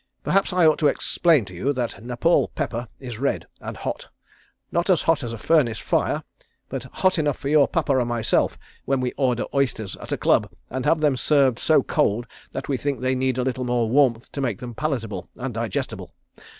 Perhaps I ought to explain to you that Nepaul pepper is red, and hot; not as hot as a furnace fire, but hot enough for your papa and myself when we order oysters at a club and have them served so cold that we think they need a little more warmth to make them palatable and digestible.